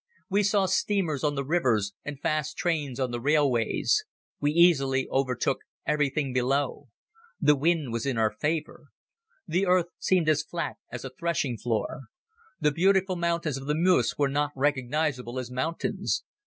We saw steamers on the rivers and fast trains on the railways. We easily overtook everything below. The wind was in our favor. The earth seemed as flat as a threshing floor. The beautiful mountains of the Meuse were not recognizable as mountains.